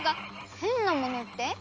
へんなものって？